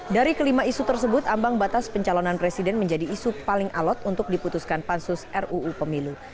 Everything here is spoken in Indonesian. dari kelima isu tersebut ambang batas pencalonan presiden menjadi isu paling alot untuk diputuskan pansus ruu pemilu